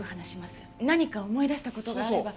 何か思い出した事があれば。